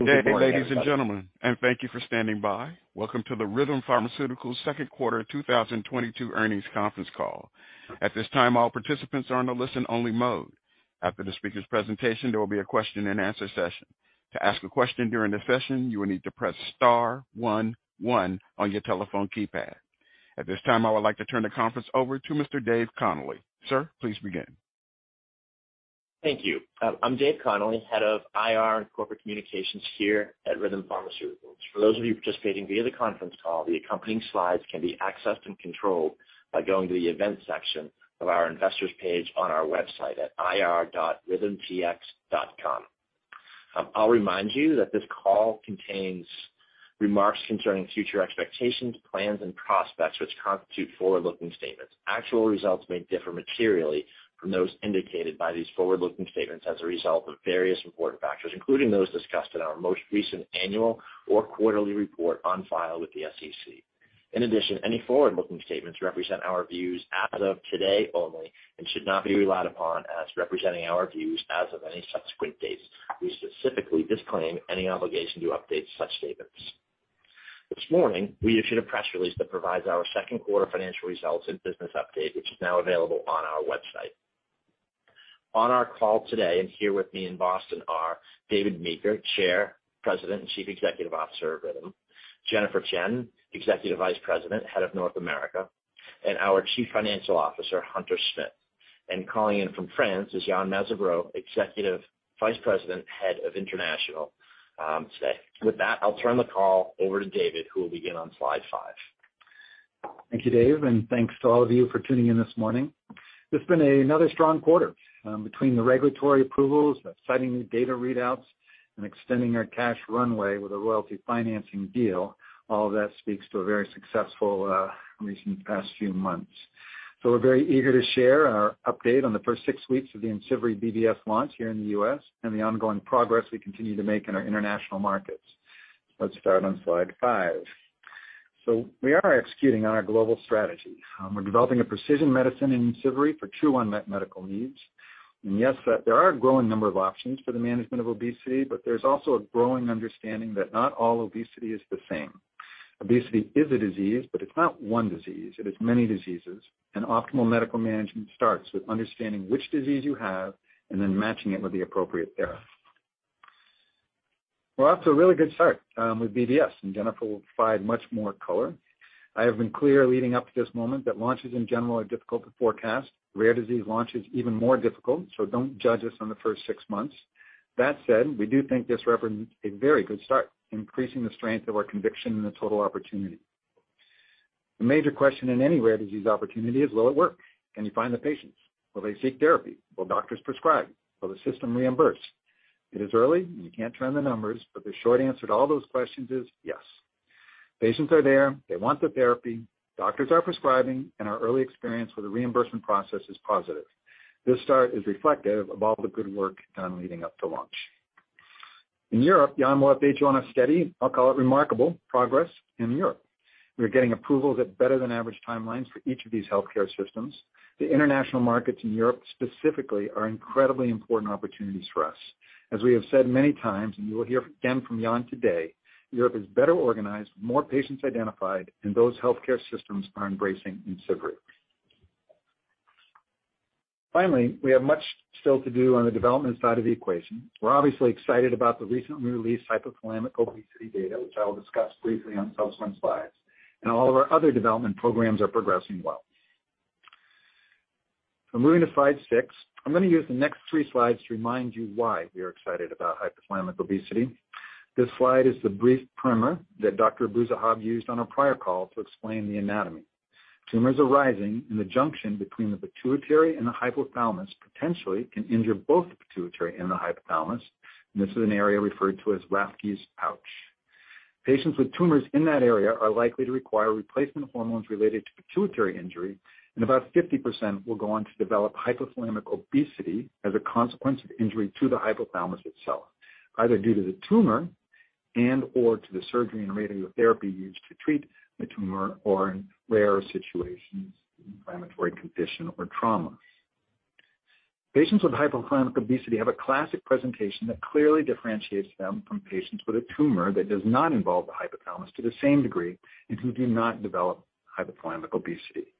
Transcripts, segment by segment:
Good day, ladies and gentlemen, and thank you for standing by. Welcome to the Rhythm Pharmaceuticals Q2 2022 earnings conference call. At this time, all participants are on a listen only mode. After the speaker's presentation, there will be a question and answer session. To ask a question during the session, you will need to press star one one on your telephone keypad. At this time, I would like to turn the conference over to Mr. Dave Connolly. Sir, please begin. Thank you. I'm Dave Connolly, Head of IR and Corporate Communications here at Rhythm Pharmaceuticals. For those of you participating via the conference call, the accompanying slides can be accessed and controlled by going to the events section of our investors page on our website at ir.rhythmtx.com. I'll remind you that this call contains remarks concerning future expectations, plans and prospects, which constitute forward-looking statements. Actual results may differ materially from those indicated by these forward-looking statements as a result of various important factors, including those discussed in our most recent annual or quarterly report on file with the SEC. In addition, any forward-looking statements represent our views as of today only and should not be relied upon as representing our views as of any subsequent dates. We specifically disclaim any obligation to update such statements. This morning, we issued a press release that provides our Q2 financial results and business update, which is now available on our website. On our call today and here with me in Boston are David Meeker, Chair, President and Chief Executive Officer of Rhythm Pharmaceuticals. Jennifer Chien, Executive Vice President, Head of North America, and our Chief Financial Officer, Hunter Smith. Calling in from France is Yann Mazabraud, Executive Vice President, Head of International, today. With that, I'll turn the call over to David, who will begin on slide five. Thank you, Dave, and thanks to all of you for tuning in this morning. It's been another strong quarter, between the regulatory approvals, exciting new data readouts, and extending our cash runway with a royalty financing deal. All of that speaks to a very successful, recent past few months. We're very eager to share our update on the first six weeks of the IMCIVREE BBS launch here in the U.S. and the ongoing progress we continue to make in our international markets. Let's start on slide five. We are executing on our global strategy. We're developing a precision medicine IMCIVREE for two unmet medical needs. Yes, there are a growing number of options for the management of obesity, but there's also a growing understanding that not all obesity is the same. Obesity is a disease, but it's not one disease, it is many diseases. Optimal medical management starts with understanding which disease you have and then matching it with the appropriate therapy. We're off to a really good start with BBS, and Jennifer will provide much more color. I have been clear leading up to this moment that launches in general are difficult to forecast. Rare disease launch is even more difficult, so don't judge us on the first six months. That said, we do think this represents a very good start, increasing the strength of our conviction in the total opportunity. The major question in any rare disease opportunity is, will it work? Can you find the patients? Will they seek therapy? Will doctors prescribe? Will the system reimburse? It is early, and you can't turn the numbers, but the short answer to all those questions is yes. Patients are there, they want the therapy, doctors are prescribing, and our early experience with the reimbursement process is positive. This start is reflective of all the good work done leading up to launch. In Europe, Yann will update you on a steady, I'll call it remarkable, progress in Europe. We're getting approvals at better than average timelines for each of these healthcare systems. The international markets in Europe specifically are incredibly important opportunities for us. As we have said many times, and you will hear again from Yann today, Europe is better organized, more patients identified, and those healthcare systems are embracing IMCIVREE. Finally, we have much still to do on the development side of the equation. We're obviously excited about the recently released hypothalamic obesity data, which I will discuss briefly on subsequent slides, and all of our other development programs are progressing well. Moving to slide six. I'm gonna use the next three slides to remind you why we are excited about hypothalamic obesity. This slide is the brief primer that Dr. Bouzahzah used on our prior call to explain the anatomy. Tumors arising in the junction between the pituitary and the hypothalamus potentially can injure both the pituitary and the hypothalamus. This is an area referred to as Rathke's pouch. Patients with tumors in that area are likely to require replacement hormones related to pituitary injury, and about 50% will go on to develop hypothalamic obesity as a consequence of injury to the hypothalamus itself, either due to the tumor and/or to the surgery and radiotherapy used to treat the tumor, or in rare situations, inflammatory condition or trauma. Patients with hypothalamic obesity have a classic presentation that clearly differentiates them from patients with a tumor that does not involve the hypothalamus to the same degree and who do not develop hypothalamic obesity.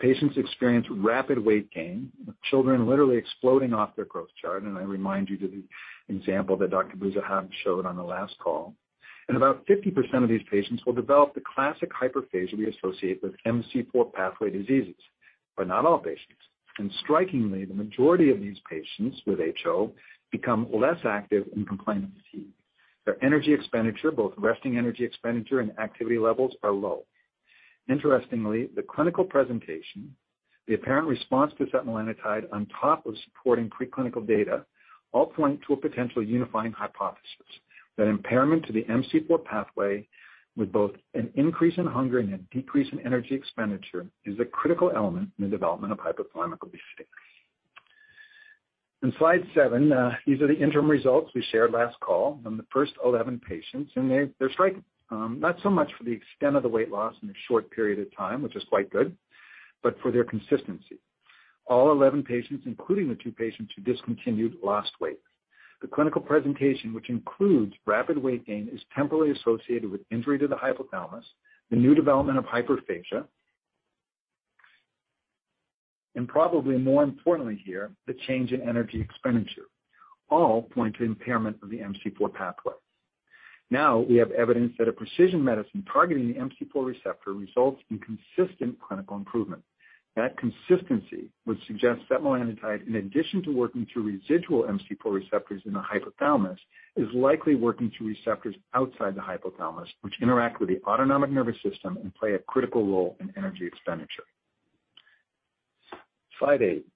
Patients experience rapid weight gain. Children literally exploding off their growth chart. I remind you to the example that Dr. Bouzahzah showed on the last call. About 50% of these patients will develop the classic hyperphagia we associate with MC4 pathway diseases, but not all patients. Strikingly, the majority of these patients with HO become less active and complain of fatigue. Their energy expenditure, both resting energy expenditure and activity levels, are low. Interestingly, the clinical presentation, the apparent response to setmelanotide on top of supporting preclinical data all point to a potential unifying hypothesis that impairment to the MC4 pathway with both an increase in hunger and a decrease in energy expenditure is a critical element in the development of hypothalamic obesity. In slide seven, these are the interim results we shared last call on the first 11 patients, and they're striking, not so much for the extent of the weight loss in a short period of time, which is quite good, but for their consistency. All 11 patients, including the two patients who discontinued, lost weight. The clinical presentation, which includes rapid weight gain, is temporally associated with injury to the hypothalamus, the new development of hyperphagia, and probably more importantly here, the change in energy expenditure, all point to impairment of the MC4 pathway. Now we have evidence that a precision medicine targeting the MC4 receptor results in consistent clinical improvement. That consistency would suggest setmelanotide, in addition to working through residual MC4 receptors in the hypothalamus, is likely working through receptors outside the hypothalamus, which interact with the autonomic nervous system and play a critical role in energy expenditure. Slide eight.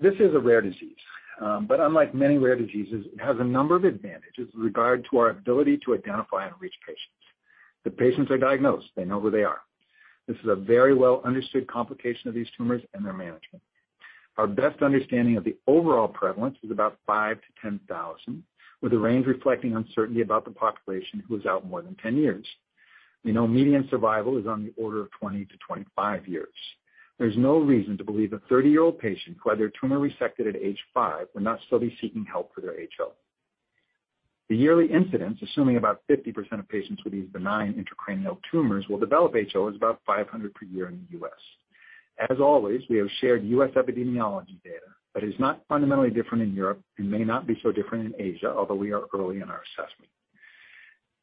This is a rare disease, but unlike many rare diseases, it has a number of advantages with regard to our ability to identify and reach patients. The patients are diagnosed. They know who they are. This is a very well-understood complication of these tumors and their management. Our best understanding of the overall prevalence is about 5,000-10,000, with the range reflecting uncertainty about the population who is out more than 10 years. We know median survival is on the order of 20 to 25 years. There's no reason to believe a 30-year-old patient who had their tumor resected at age five will not still be seeking help for their HO. The yearly incidence, assuming about 50% of patients with these benign intracranial tumors will develop HO, is about 500 per year in the U.S. As always, we have shared U.S. epidemiology data, but it's not fundamentally different in Europe and may not be so different in Asia, although we are early in our assessment.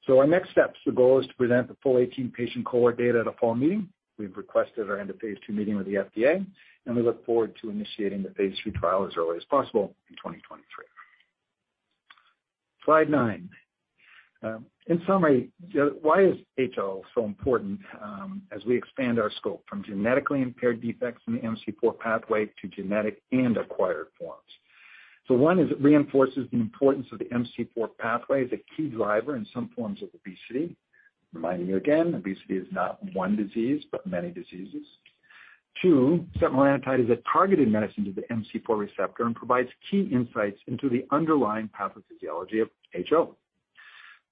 Our next steps, the goal is to present the full 18-patient cohort data at a fall meeting. We've requested our end of phase II meeting with the FDA, and we look forward to initiating the phase III trial as early as possible in 2023. Slide nine. In summary, why is HO so important, as we expand our scope from genetically impaired defects in the MC4 pathway to genetic and acquired forms? One is it reinforces the importance of the MC4 pathway as a key driver in some forms of obesity. Reminding you again, obesity is not one disease, but many diseases. Two, setmelanotide is a targeted medicine to the MC4 receptor and provides key insights into the underlying pathophysiology of HO.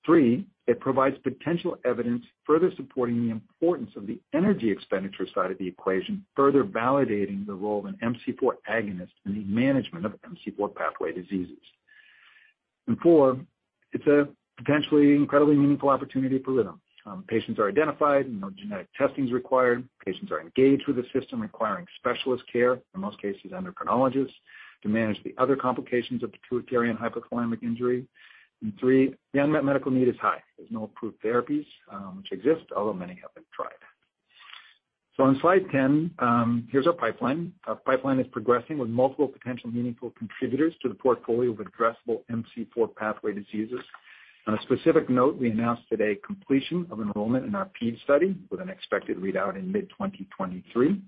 Three, it provides potential evidence further supporting the importance of the energy expenditure side of the equation, further validating the role of an MC4 agonist in the management of MC4 pathway diseases. And four, it's a potentially incredibly meaningful opportunity for Rhythm. Patients are identified. No genetic testing is required. Patients are engaged with a system requiring specialist care, in most cases endocrinologists, to manage the other complications of pituitary and hypothalamic injury. Three, the unmet medical need is high. There's no approved therapies which exist, although many have been tried. On slide 10, here's our pipeline. Our pipeline is progressing with multiple potential meaningful contributors to the portfolio of addressable MC4 pathway diseases. On a specific note, we announced today completion of enrollment in our ped study with an expected readout in mid-2023.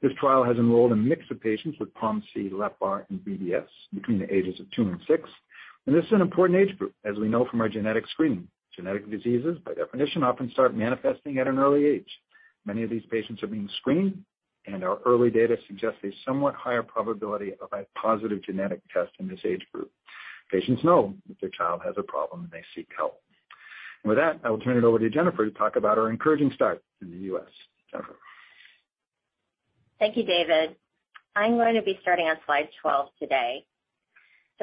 This trial has enrolled a mix of patients with POMC, LEPR, and BBS between the ages of two and six. This is an important age group, as we know from our genetic screening. Genetic diseases, by definition, often start manifesting at an early age. Many of these patients are being screened, and our early data suggests a somewhat higher probability of a positive genetic test in this age group. Patients know that their child has a problem, and they seek help. With that, I will turn it over to Jennifer to talk about our encouraging start in the U.S. Jennifer. Thank you, David. I'm going to be starting on slide 12 today.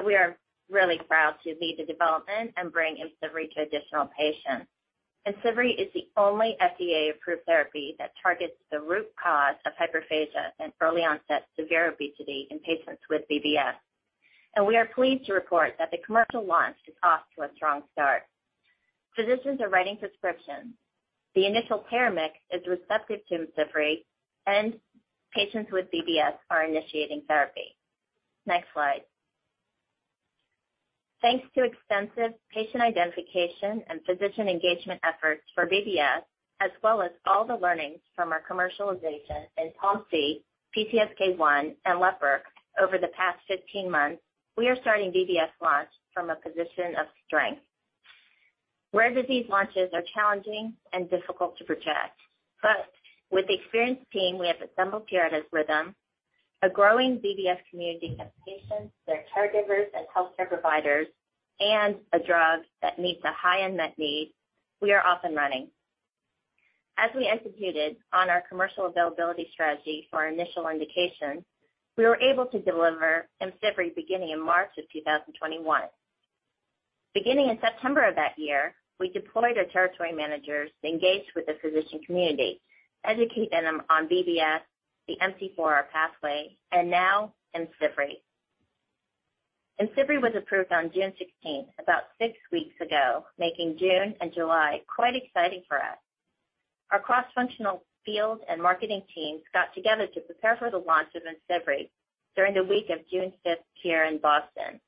We are really proud to lead the development and bring IMCIVREE to additional patients. IMCIVREE is the only FDA-approved therapy that targets the root cause of hyperphagia and early onset severe obesity in patients with BBS. We are pleased to report that the commercial launch is off to a strong start. Physicians are writing prescriptions. The initial care mix is receptive to IMCIVREE, and patients with BBS are initiating therapy. Next slide. Thanks to extensive patient identification and physician engagement efforts for BBS, as well as all the learnings from our commercialization in POMC, PCSK1, and LEPR over the past 15 months, we are starting BBS launch from a position of strength. Rare disease launches are challenging and difficult to predict. With the experienced team we have assembled here at Rhythm, a growing BBS community of patients, their caregivers, and healthcare providers, and a drug that meets a high unmet need, we are off and running. As we executed on our commercial availability strategy for our initial indication, we were able to deliver IMCIVREE beginning in March 2021. Beginning in September of that year, we deployed our territory managers to engage with the physician community, educate them on BBS, the MC4 pathway, and now IMCIVREE. IMCIVREE was approved on June 16th, about six weeks ago, making June and July quite exciting for us. Our cross-functional field and marketing teams got together to prepare for the launch of IMCIVREE during the week of June 5th here in Boston.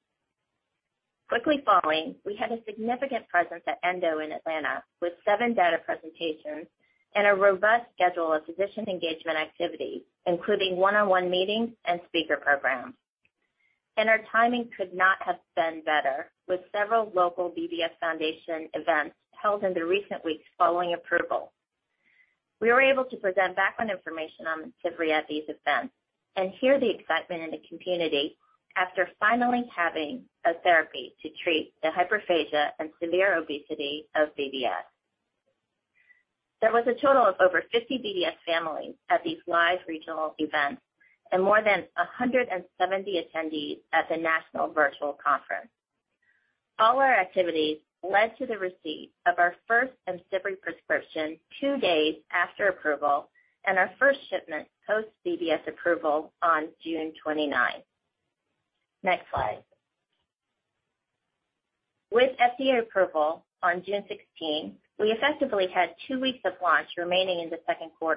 Quickly following, we had a significant presence at ENDO in Atlanta with seven data presentations and a robust schedule of physician engagement activities, including one-on-one meetings and speaker programs. Our timing could not have been better, with several local BBS foundation events held in the recent weeks following approval. We were able to present background information on IMCIVREE at these events and hear the excitement in the community after finally having a therapy to treat the hyperphagia and severe obesity of BBS. There was a total of over 50 BBS families at these live regional events and more than 170 attendees at the national virtual conference. All our activities led to the receipt of our first IMCIVREE prescription two days after approval and our first shipment post BBS approval on June 29. Next slide. With FDA approval on June 16th, we effectively had two weeks of launch remaining in the Q2.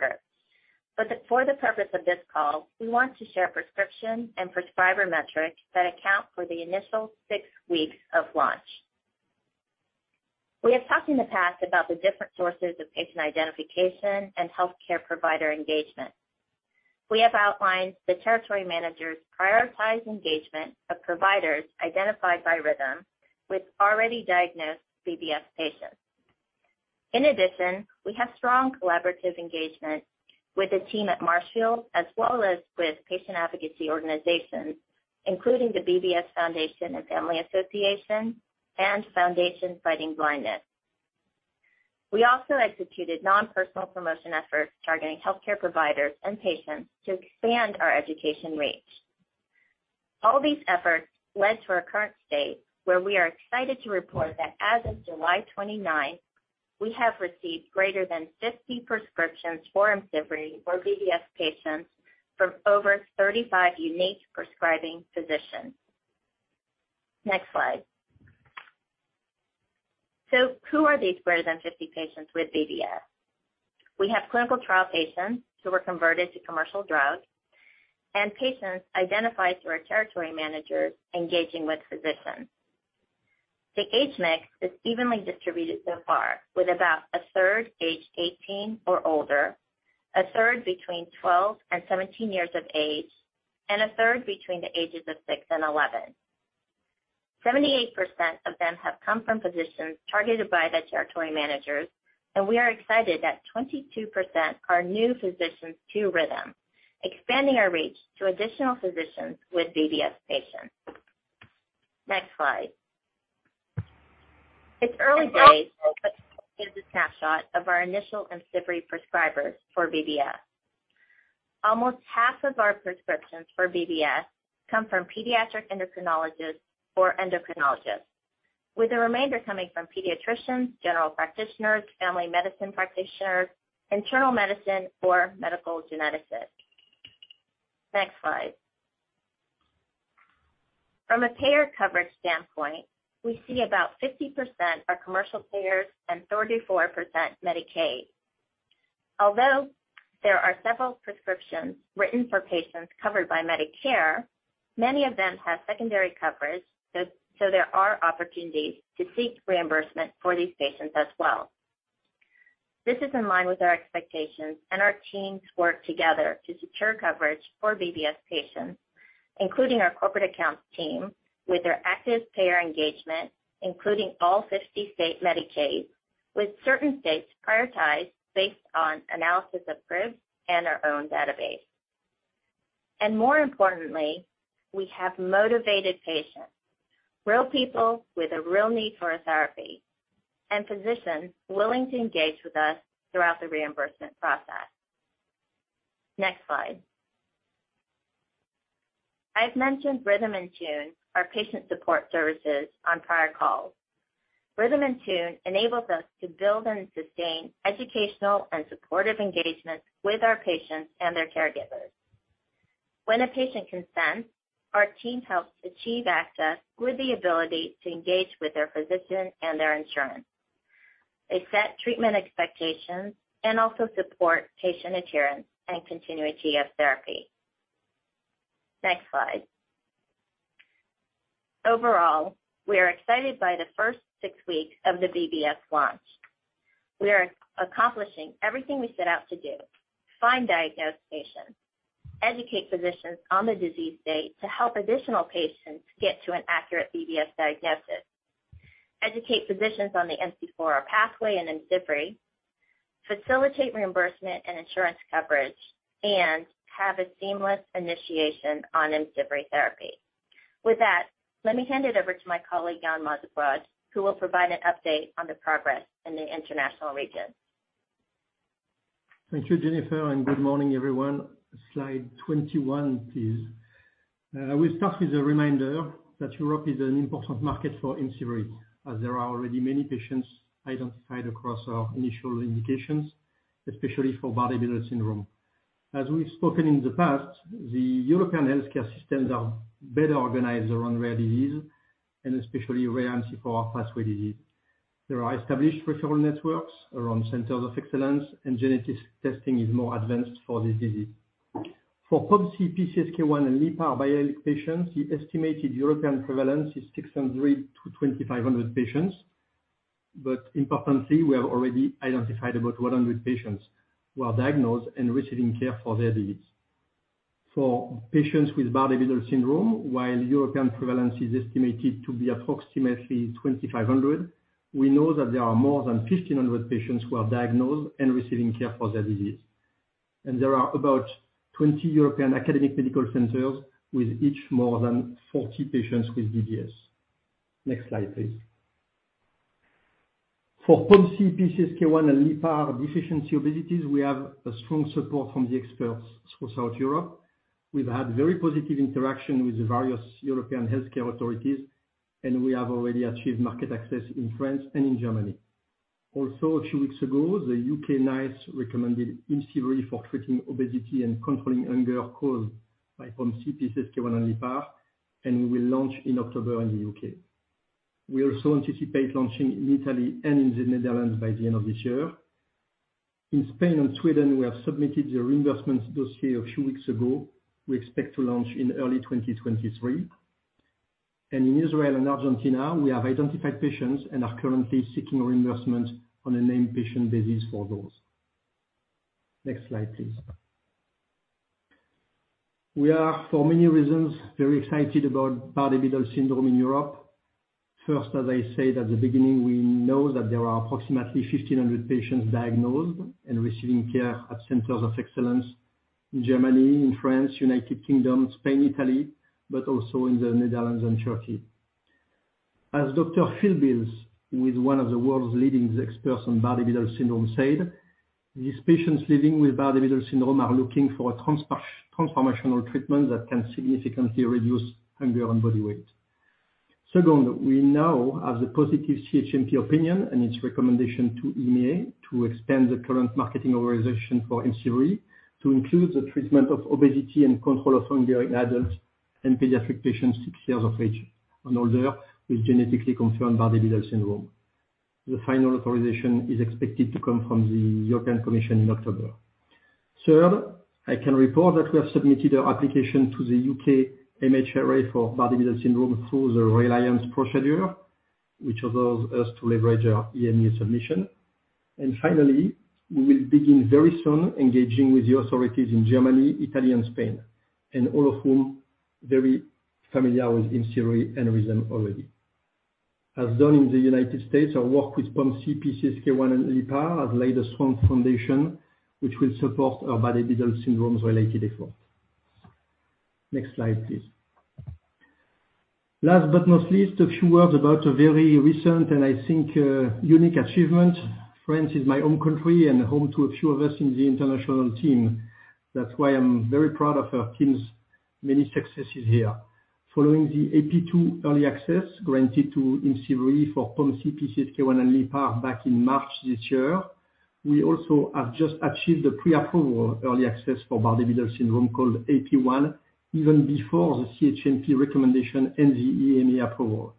For the purpose of this call, we want to share prescription and prescriber metrics that account for the initial 6 weeks of launch. We have talked in the past about the different sources of patient identification and healthcare provider engagement. We have outlined the territory managers prioritize engagement of providers identified by Rhythm with already diagnosed BBS patients. In addition, we have strong collaborative engagement with the team at Marshfield as well as with patient advocacy organizations, including the BBS Foundation and Family Association and Foundation Fighting Blindness. We also executed non-personal promotion efforts targeting healthcare providers and patients to expand our education reach. All these efforts led to our current state, where we are excited to report that as of July 29, we have received greater than 50 prescriptions for IMCIVREE for BBS patients from over 35 unique prescribing physicians. Next slide. Who are these greater than 50 patients with BBS? We have clinical trial patients who were converted to commercial drugs and patients identified through our territory managers engaging with physicians. The age mix is evenly distributed so far, with about a third aged 18 or older, a third between 12 and 17 years of age, and a third between the ages of six and 11. 78% of them have come from physicians targeted by the territory managers, and we are excited that 22% are new physicians to Rhythm, expanding our reach to additional physicians with BBS patients. Next slide. It's early days, but here's a snapshot of our initial IMCIVREE prescribers for BBS. Almost half of our prescriptions for BBS come from pediatric endocrinologists or endocrinologists, with the remainder coming from pediatricians, general practitioners, family medicine practitioners, internal medicine or medical geneticists. Next slide. From a payer coverage standpoint, we see about 50% are commercial payers and 34% Medicaid. Although there are several prescriptions written for patients covered by Medicare, many of them have secondary coverage, so there are opportunities to seek reimbursement for these patients as well. This is in line with our expectations, and our teams work together to secure coverage for BBS patients, including our corporate accounts team with their active payer engagement, including all 50 state Medicaids, with certain states prioritized based on analysis of groups and our own database. More importantly, we have motivated patients, real people with a real need for a therapy, and physicians willing to engage with us throughout the reimbursement process. Next slide. I've mentioned Rhythm InTune, our patient support services, on prior calls. Rhythm InTune enables us to build and sustain educational and supportive engagement with our patients and their caregivers. When a patient consents, our team helps achieve access with the ability to engage with their physician and their insurance. They set treatment expectations and also support patient adherence and continuity of therapy. Next slide. Overall, we are excited by the first six weeks of the U.S. launch. We are accomplishing everything we set out to do, find diagnosed patients, educate physicians on the disease state to help additional patients get to an accurate BBS diagnosis, educate physicians on the MC4R pathway and IMCIVREE, facilitate reimbursement and insurance coverage, and have a seamless initiation on IMCIVREE therapy. With that, let me hand it over to my colleague, Yann Mazabraud, who will provide an update on the progress in the international regions. Thank you, Jennifer, and good morning, everyone. Slide 21, please. We'll start with a reminder that Europe is an important market for IMCIVREE, as there are already many patients identified across our initial indications, especially for Bardet-Biedl syndrome. As we've spoken in the past, the European healthcare systems are better organized around rare disease and especially rare MC4R pathway disease. There are established referral networks around centers of excellence, and genetic testing is more advanced for this disease. For POMC, PCSK1, and LEPR patients, the estimated European prevalence is 600 to 2,500 patients. Importantly, we have already identified about 100 patients who are diagnosed and receiving care for their disease. For patients with Bardet-Biedl syndrome, while European prevalence is estimated to be approximately 2,500, we know that there are more than 1,500 patients who are diagnosed and receiving care for their disease. There are about 20 European academic medical centers with each more than 40 patients with BBS. Next slide, please. For POMC, PCSK1 and LEPR deficiency obesities, we have a strong support from the experts for South Europe. We've had very positive interaction with the various European healthcare authorities, and we have already achieved market access in France and in Germany. Also, a few weeks ago, the U.K. NICE recommended IMCIVREE for treating obesity and controlling hunger caused by POMC, PCSK1 and LEPR, and we will launch in October in the U.K. We also anticipate launching in Italy and in the Netherlands by the end of this year. In Spain and Sweden, we have submitted the reimbursement dossier a few weeks ago. We expect to launch in early 2023. In Israel and Argentina, we have identified patients and are currently seeking reimbursement on a named patient basis for those. Next slide, please. We are for many reasons very excited about Bardet-Biedl syndrome in Europe. First, as I said at the beginning, we know that there are approximately 1,500 patients diagnosed and receiving care at centers of excellence in Germany, in France, United Kingdom, Spain, Italy, but also in the Netherlands and Turkey. As Dr. Philip Beales, who is one of the world's leading experts on Bardet-Biedl syndrome said, "These patients living with Bardet-Biedl syndrome are looking for a transformational treatment that can significantly reduce hunger and body weight." Second, we now have the positive CHMP opinion and its recommendation to EMA to extend the current marketing authorisation for IMCIVREE to include the treatment of obesity and control of hunger in adults and pediatric patients six years of age and older, with genetically confirmed Bardet-Biedl syndrome. The final authorization is expected to come from the European Commission in October. Third, I can report that we have submitted our application to the UK MHRA for Bardet-Biedl syndrome through the reliance procedure, which allows us to leverage our EMA submission. Finally, we will begin very soon engaging with the authorities in Germany, Italy and Spain, and all of whom very familiar with IMCIVREE and Rhythm already. As done in the United States, our work with POMC, PCSK1 and LEPR has laid a strong foundation which will support our Bardet-Biedl syndromes related effort. Next slide, please. Last but not least, a few words about a very recent and I think, unique achievement. France is my home country and home to a few of us in the international team. That's why I'm very proud of our team's many successes here. Following the AP1 early access granted to IMCIVREE for POMC, PCSK1 and LEPR back in March this year, we also have just achieved the pre-approval early access for Bardet-Biedl syndrome, called AP1, even before the CHMP recommendation and the EMA approval.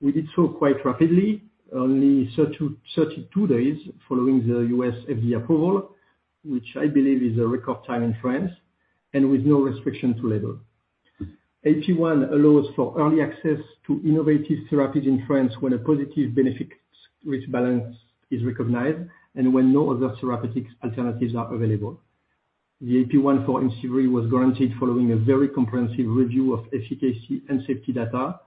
We did so quite rapidly, only 32 days following the U.S. FDA approval, which I believe is a record time in France, and with no restriction to label. AP1 allows for early access to innovative therapies in France when a positive benefit-risk balance is recognized and when no other therapeutic alternatives are available. The AP1 for IMCIVREE was guaranteed following a very comprehensive review of efficacy and safety data.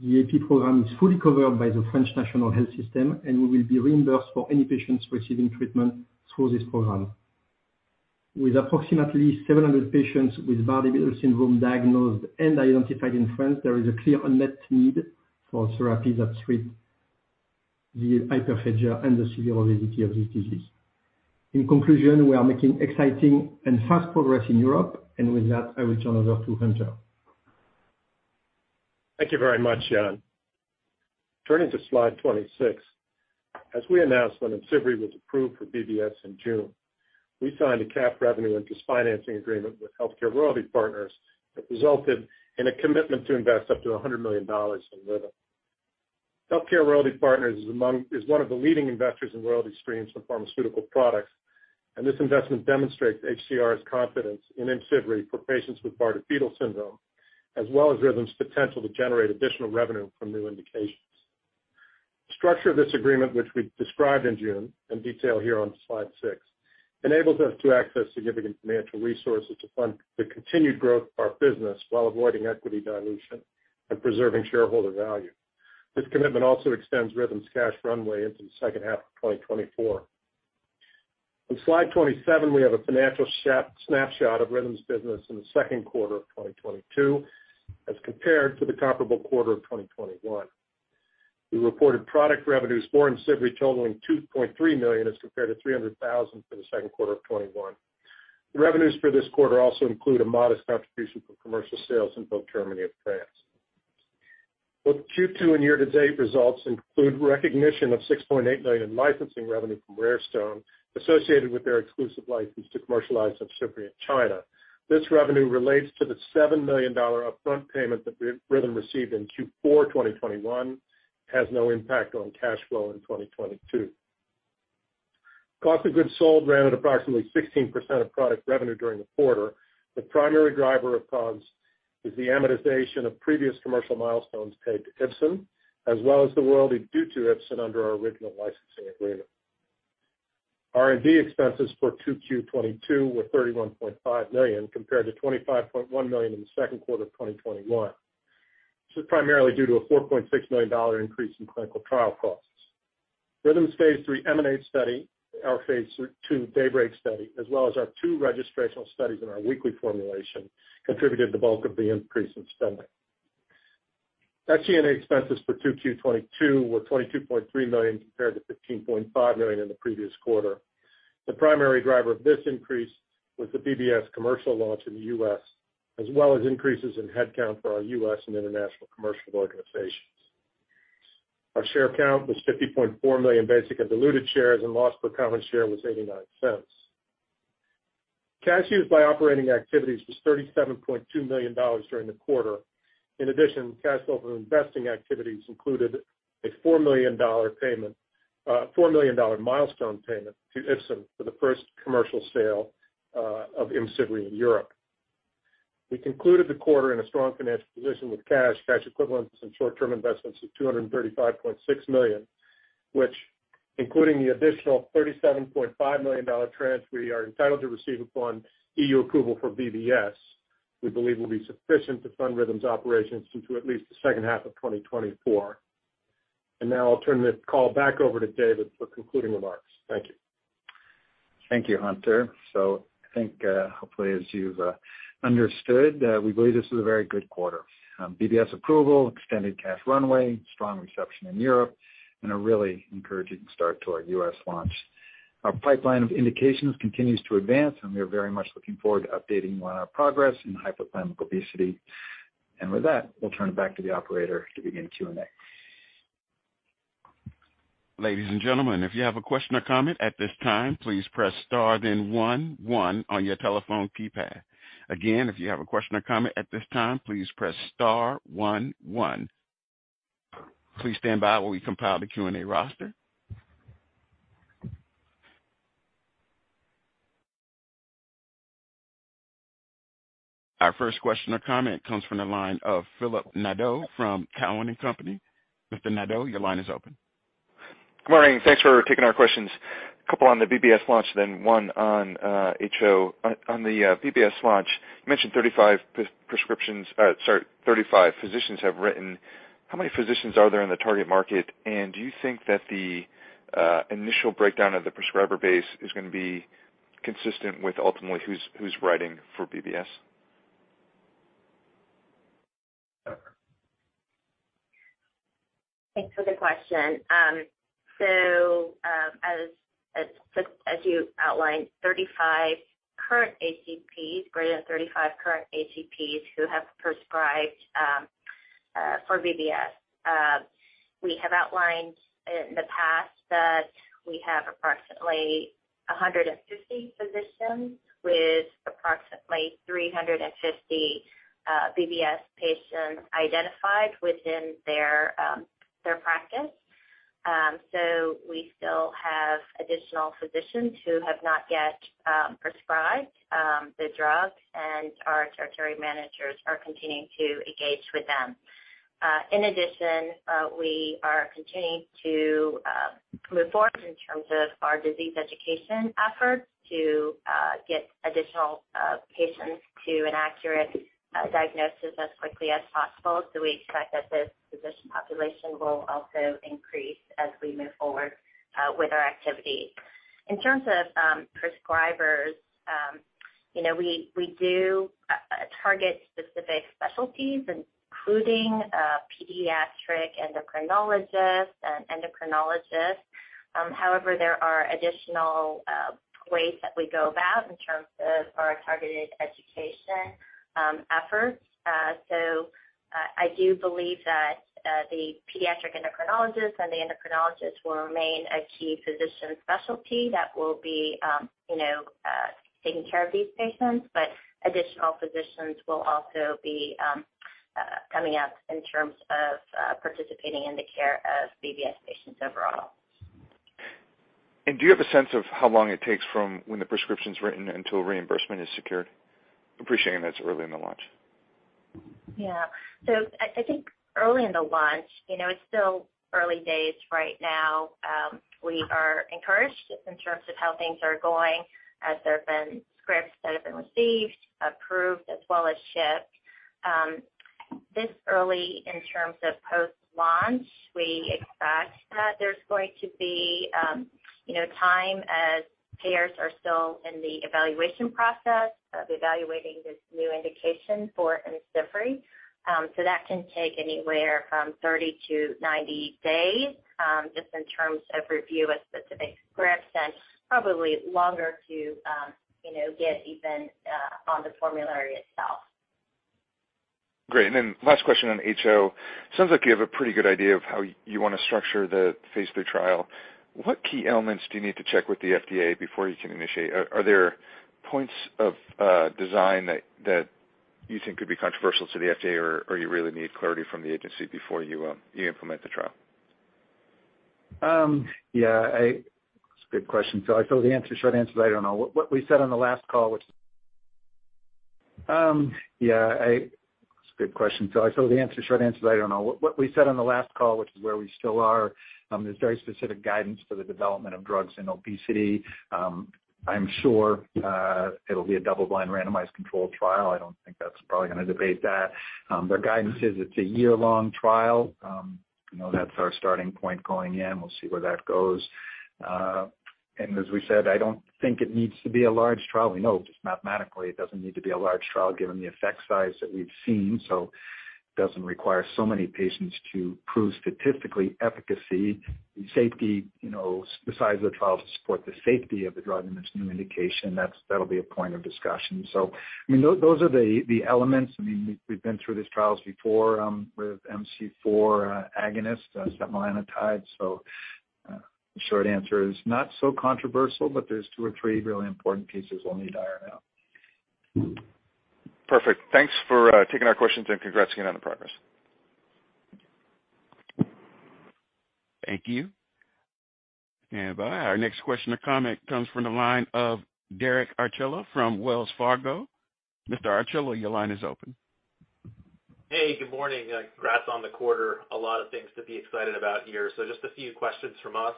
The AP program is fully covered by the French national health system, and we will be reimbursed for any patients receiving treatment through this program. With approximately 700 patients with Bardet-Biedl syndrome diagnosed and identified in France, there is a clear unmet need for therapies that treat the hyperphagia and the severe obesity of this disease. In conclusion, we are making exciting and fast progress in Europe, and with that, I will turn it over to Hunter. Thank you very much, Yann. Turning to slide 26. As we announced when IMCIVREE was approved for BBS in June, we signed a capped royalty and debt financing agreement with Healthcare Royalty Partners that resulted in a commitment to invest up to $100 million in Rhythm. Healthcare Royalty Partners is one of the leading investors in royalty streams for pharmaceutical products, and this investment demonstrates HCR's confidence in IMCIVREE for patients with Bardet-Biedl syndrome, as well as Rhythm's potential to generate additional revenue from new indications. The structure of this agreement, which we described in June in detail here on slide six, enables us to access significant financial resources to fund the continued growth of our business while avoiding equity dilution and preserving shareholder value. This commitment also extends Rhythm's cash runway into the second half of 2024. On slide 27, we have a financial snapshot of Rhythm's business in the Q2 of 2022, as compared to the comparable quarter of 2021. We reported product revenues for IMCIVREE totaling $2.3 million as compared to $300,000 for the Q2 of 2021. The revenues for this quarter also include a modest contribution from commercial sales in both Germany and France. Both Q2 and year to date results include recognition of $6.8 million in licensing revenue from RareStone associated with their exclusive license to commercialize IMCIVREE in China. This revenue relates to the $7 million upfront payment that Rhythm received in Q4 2021 and has no impact on cash flow in 2022. Cost of goods sold ran at approximately 16% of product revenue during the quarter. The primary driver of COGS is the amortization of previous commercial milestones paid to Ipsen, as well as the royalty due to Ipsen under our original licensing agreement. R&D expenses for 2Q 2022 were $31.5 million, compared to $25.1 million in the Q2 of 2021. This is primarily due to a $4.6 million increase in clinical trial costs. Rhythm's phase III EMANATE study, our phase II DAYBREAK study, as well as our two registrational studies in our weekly formulation, contributed the bulk of the increase in spending. Our G&A expenses for 2Q 2022 were $22.3 million compared to $15.5 million in the previous quarter. The primary driver of this increase was the BBS commercial launch in the US, as well as increases in headcount for our US and international commercial organizations. Our share count was 50.4 million basic and diluted shares, and loss per common share was $0.89. Cash used by operating activities was $37.2 million during the quarter. In addition, cash flow from investing activities included a $4 million milestone payment to Ipsen for the first commercial sale of IMCIVREE in Europe. We concluded the quarter in a strong financial position with cash equivalents, and short-term investments of $235.6 million, which including the additional $37.5 million transfer we are entitled to receive upon EU approval for BBS, we believe will be sufficient to fund Rhythm's operations through to at least the second half of 2024. Now I'll turn this call back over to David for concluding remarks. Thank you. Thank you, Hunter. I think, hopefully, as you've understood, we believe this is a very good quarter. BBS approval, extended cash runway, strong reception in Europe, and a really encouraging start to our US launch. Our pipeline of indications continues to advance, and we are very much looking forward to updating you on our progress in hypothalamic obesity. With that, we'll turn it back to the operator to begin Q&A. Ladies and gentlemen, if you have a question or comment at this time, please press star then one one on your telephone keypad. Again, if you have a question or comment at this time, please press star one one. Please stand by while we compile the Q&A roster. Our first question or comment comes from the line of Philip Nadeau from Cowen and Company. Mr. Nadeau, your line is open. Good morning. Thanks for taking our questions. A couple on the BBS launch, then one on HO. On the BBS launch, you mentioned 35 physicians have written. How many physicians are there in the target market? And do you think that the initial breakdown of the prescriber base is gonna be consistent with ultimately who's writing for BBS? Thanks for the question. As you outlined, 35 current HCPs, greater than 35 current HCPs who have prescribed for BBS. We have outlined in the past that we have approximately 150 physicians with approximately 350 BBS patients identified within their practice. We still have additional physicians who have not yet prescribed the drug, and our territory managers are continuing to engage with them. In addition, we are continuing to move forward in terms of our disease education efforts to get additional patients to an accurate diagnosis as quickly as possible. We expect that this physician population will also increase as we move forward with our activity. In terms of prescribers, you know, we do target specific specialties, including pediatric endocrinologists and endocrinologists. However, there are additional ways that we go about in terms of our targeted education efforts. I do believe that the pediatric endocrinologists and the endocrinologists will remain a key physician specialty that will be, you know, taking care of these patients. Additional physicians will also be coming up in terms of participating in the care of BBS patients overall. Do you have a sense of how long it takes from when the prescription's written until reimbursement is secured? Appreciating that's early in the launch. Yeah. I think early in the launch, you know, it's still early days right now. We are encouraged in terms of how things are going as there have been scripts that have been received, approved, as well as shipped. This early in terms of post-launch, we expect that there's going to be, you know, time as payers are still in the evaluation process of evaluating this new indication for IMCIVREE. That can take anywhere from 30 to 90 days, just in terms of review of specific scripts and probably longer to, you know, get it on the formulary itself. Great. Last question on HO. Sounds like you have a pretty good idea of how you wanna structure the phase III trial. What key elements do you need to check with the FDA before you can initiate? Are there points of design that you think could be controversial to the FDA or you really need clarity from the agency before you implement the trial? That's a good question. The short answer is I don't know. What we said on the last call, which is where we still are, there's very specific guidance for the development of drugs in obesity. I'm sure it'll be a double-blind randomized controlled trial. I don't think that's probably gonna be debated. Guidance is it's a year-long trial. You know, that's our starting point going in. We'll see where that goes. As we said, I don't think it needs to be a large trial. We know just mathematically it doesn't need to be a large trial given the effect size that we've seen, so doesn't require so many patients to prove statistically efficacy and safety. You know, the size of the trial to support the safety of the drug in this new indication, that's, that'll be a point of discussion. I mean, those are the elements. I mean, we've been through these trials before with MC4 agonist setmelanotide. The short answer is not so controversial, but there's two or three really important pieces we'll need to iron out. Perfect. Thanks for taking our questions, and congrats again on the progress. Thank you. Bye. Our next question or comment comes from the line of Derek Archila from Wells Fargo. Mr. Archila, your line is open. Hey, good morning. Congrats on the quarter. A lot of things to be excited about here. Just a few questions from us.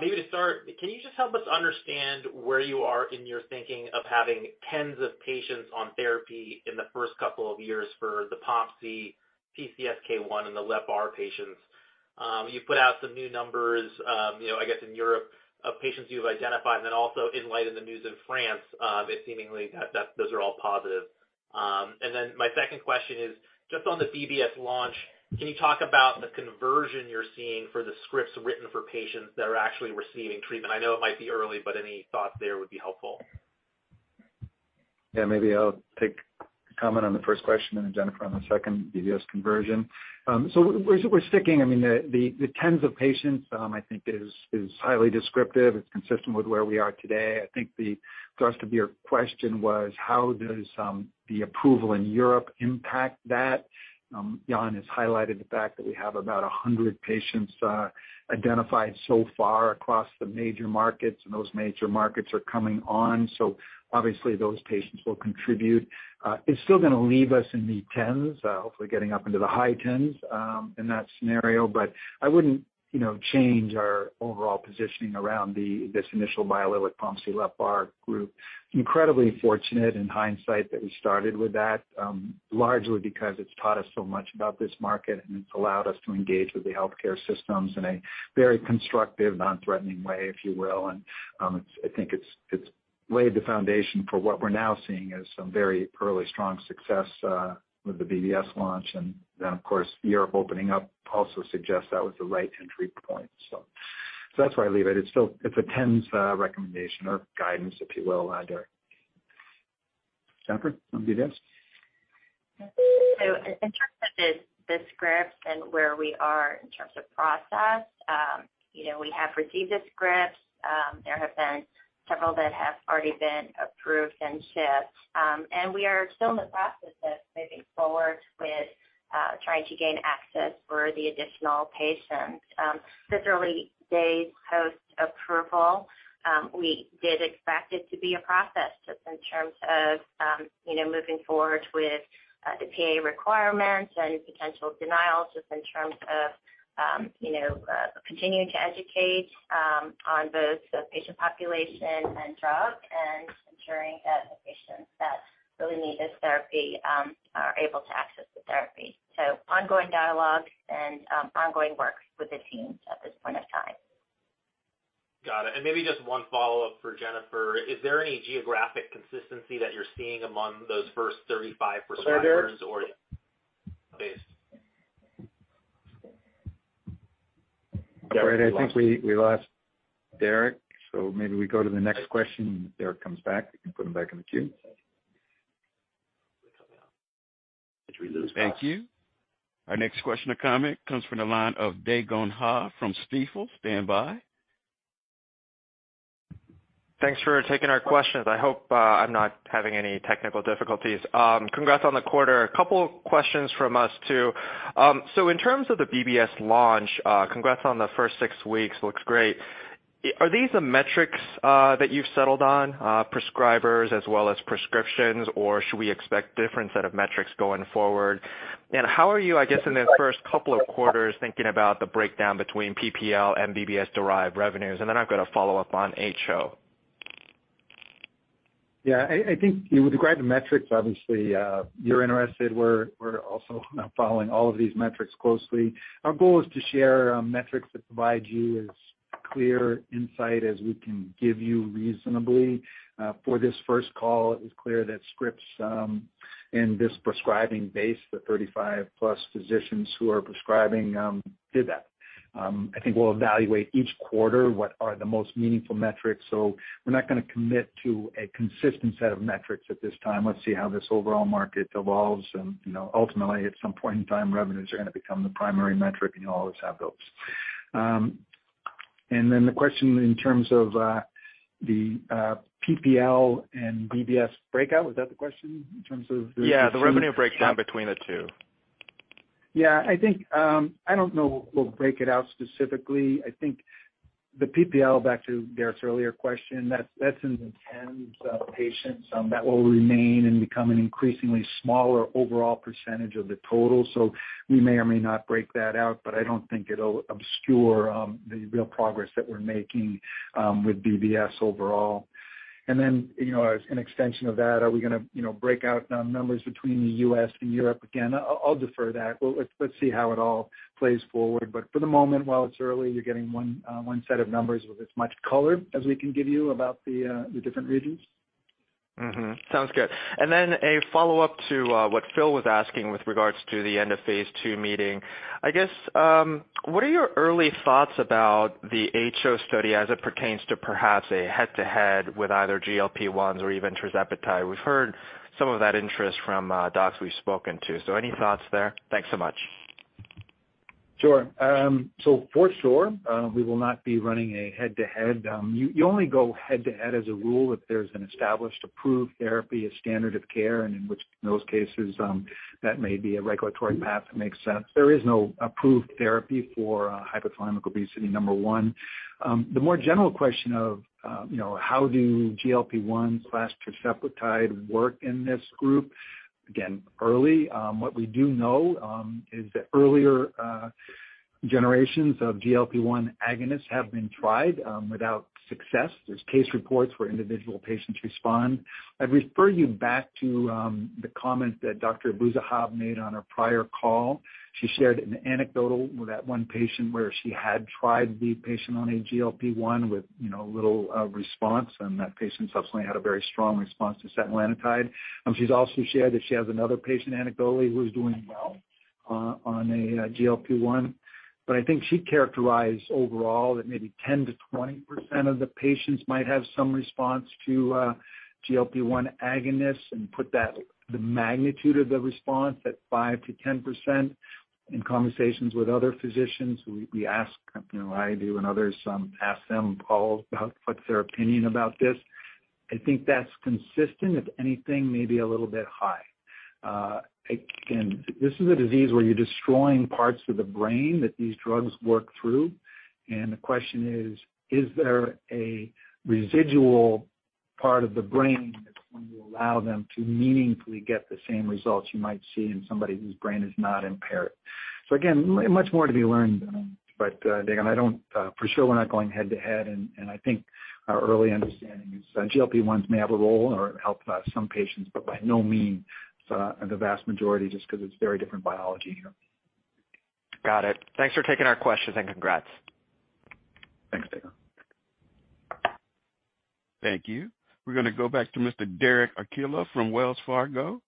Maybe to start, can you just help us understand where you are in your thinking of having tens of patients on therapy in the first couple of years for the POMC, PCSK1, and the LEPR patients? You put out some new numbers, you know, I guess in Europe of patients you've identified. And then also in light of the news in France, it seems that those are all positive. And then my second question is just on the BBS launch, can you talk about the conversion you're seeing for the scripts written for patients that are actually receiving treatment? I know it might be early, but any thoughts there would be helpful. Yeah, maybe I'll take a comment on the first question and then Jennifer on the second BBS conversion. We're sticking. I mean, the tens of patients, I think is highly descriptive. It's consistent with where we are today. I think the thrust of your question was how does the approval in Europe impact that? Yann has highlighted the fact that we have about 100 patients identified so far across the major markets, and those major markets are coming on. Obviously those patients will contribute. It's still gonna leave us in the tens, hopefully getting up into the high tens, in that scenario. I wouldn't, you know, change our overall positioning around this initial bio with POMC, LEPR group. Incredibly fortunate in hindsight that we started with that, largely because it's taught us so much about this market, and it's allowed us to engage with the healthcare systems in a very constructive, non-threatening way, if you will. I think it's laid the foundation for what we're now seeing as some very early strong success with the BBS launch. Of course, Europe opening up also suggests that was the right entry point. That's where I leave it. It's still a tens recommendation or guidance, if you will, Derek. Jennifer, on BBS. In terms of the scripts and where we are in terms of process, we have received the scripts. There have been several that have already been approved and shipped. We are still in the process of moving forward with trying to gain access for the additional patients. These early days post-approval, we did expect it to be a process just in terms of moving forward with the PA requirements and potential denials, just in terms of continuing to educate on both the patient population and drug and ensuring that the patients that really need this therapy are able to access the therapy. Ongoing dialogue and ongoing work with the teams at this point in time. Got it. Maybe just one follow-up for Jennifer. Is there any geographic consistency that you're seeing among those first 35 prescribers or- Sorry, Derek? -based? All right. I think we lost Derek Archila, so maybe we go to the next question if Derek Archila comes back. We can put him back in the queue. Thank you. Our next question or comment comes from the line of Dae Gon Ha from Stifel. Standby. Thanks for taking our questions. I hope I'm not having any technical difficulties. Congrats on the quarter. A couple of questions from us, too. In terms of the BBS launch, congrats on the first six weeks. Looks great. Are these the metrics that you've settled on, prescribers as well as prescriptions, or should we expect different set of metrics going forward? How are you, I guess, in the first couple of quarters thinking about the breakdown between PPL and BBS derived revenues? I've got a follow-up on HO. Yeah. I think you would agree the metrics, obviously, you're interested, we're also now following all of these metrics closely. Our goal is to share metrics that provide you as clear insight as we can give you reasonably. For this first call, it was clear that scripts in this prescribing base, the +35 physicians who are prescribing, did that. I think we'll evaluate each quarter what are the most meaningful metrics. We're not gonna commit to a consistent set of metrics at this time. Let's see how this overall market evolves. You know, ultimately, at some point in time, revenues are gonna become the primary metric, and you always have those. Then the question in terms of the PPL and BBS breakout, was that the question in terms of the two? Yeah, the revenue breakdown between the two. Yeah. I think I don't know if we'll break it out specifically. I think the pool back to Derek's earlier question, that's in the tens of patients that will remain and become an increasingly smaller overall percentage of the total. So we may or may not break that out, but I don't think it'll obscure the real progress that we're making with BBS overall. You know, as an extension of that, are we gonna, you know, break out numbers between the US and Europe again? I'll defer that. Let's see how it all plays forward. For the moment, while it's early, you're getting one set of numbers with as much color as we can give you about the different regions. Mm-hmm. Sounds good. A follow-up to what Phil was asking with regards to the end of phase II meeting. I guess, what are your early thoughts about the HO study as it pertains to perhaps a head-to-head with either GLP-1s or even tirzepatide? We've heard some of that interest from docs we've spoken to. Any thoughts there? Thanks so much. Sure. For sure, we will not be running a head-to-head. You only go head-to-head as a rule if there's an established approved therapy, a standard of care, and in which those cases, that may be a regulatory path that makes sense. There is no approved therapy for hypothalamic obesity, number one. The more general question of, you know, how do GLP-1/tirzepatide work in this group? Again, early. What we do know is that earlier generations of GLP-1 agonists have been tried without success. There's case reports where individual patients respond. I'd refer you back to the comment that Dr. Bouzahzah made on our prior call. She shared an anecdote with that one patient where she had tried the patient on a GLP-1 with, you know, little response, and that patient subsequently had a very strong response to setmelanotide. She's also shared that she has another patient anecdotally who's doing well on a GLP-1. I think she characterized overall that maybe 10%-20% of the patients might have some response to GLP-1 agonists and put that, the magnitude of the response at 5%-10%. In conversations with other physicians, we ask, you know, I do and others ask them all about what's their opinion about this. I think that's consistent, if anything, maybe a little bit high. Again, this is a disease where you're destroying parts of the brain that these drugs work through. The question is there a residual part of the brain that's going to allow them to meaningfully get the same results you might see in somebody whose brain is not impaired? Again, much more to be learned, but Dagan, I don't for sure we're not going head-to-head. I think our early understanding is GLP-1s may have a role or help some patients, but by no means the vast majority, just 'cause it's very different biology here. Got it. Thanks for taking our questions, and congrats. Thanks, Dagan. Thank you. We're gonna go back to Mr. Derek Archila from Wells Fargo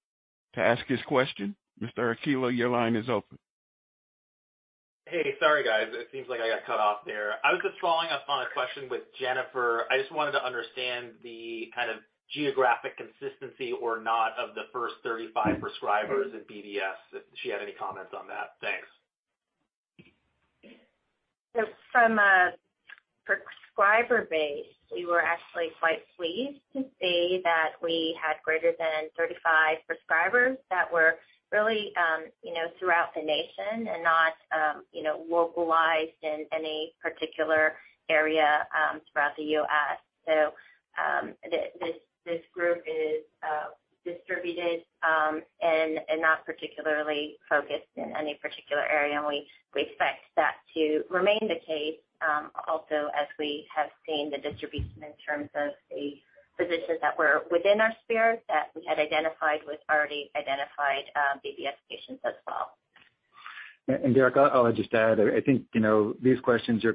to ask his question. Mr. Archila, your line is open. Hey, sorry, guys. It seems like I got cut off there. I was just following up on a question with Jennifer. I just wanted to understand the kind of geographic consistency or not of the first 35 prescribers of BBS, if she had any comments on that. Thanks. From a prescriber base, we were actually quite pleased to see that we had greater than 35 prescribers that were really you know throughout the nation and not you know localized in any particular area throughout the U.S. This group is distributed and not particularly focused in any particular area, and we expect that to remain the case also as we have seen the distribution in terms of the physicians that were within our sphere that we had identified with already identified BBS patients as well. Derek, I'll just add, I think, you know, these questions are